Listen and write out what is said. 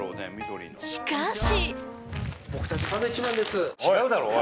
［しかし］